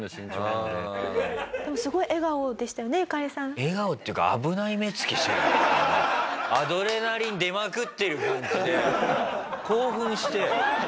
笑顔っていうかアドレナリン出まくってる感じで興奮して。